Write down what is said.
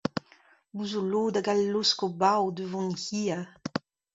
Bout zo lod hag a laosk o barv da vont hir.